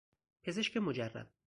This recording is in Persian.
پزشک مجرب